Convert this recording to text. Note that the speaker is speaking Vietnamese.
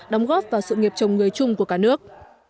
đóng góp vào sự nghiệp chồng người chung của cả nước